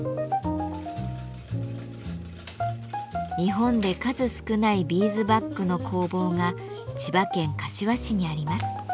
日本で数少ないビーズバッグの工房が千葉県柏市にあります。